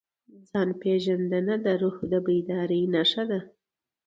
ځان پېژندنه د روح د بیدارۍ نښه ده.